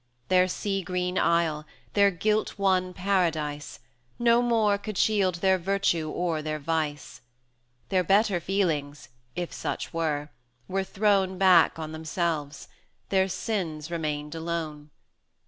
Their sea green isle, their guilt won Paradise, No more could shield their Virtue or their Vice: 40 Their better feelings, if such were, were thrown Back on themselves, their sins remained alone.